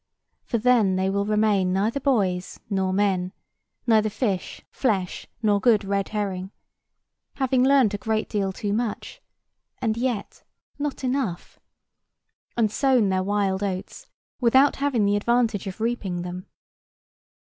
For then they will remain neither boys nor men, neither fish, flesh, nor good red herring: having learnt a great deal too much, and yet not enough; and sown their wild oats, without having the advantage of reaping them.